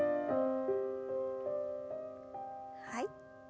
はい。